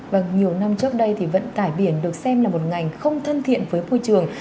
và nhiều năm trước đây thì vận tải biển được xem là một ngành không thân thiện với môi trường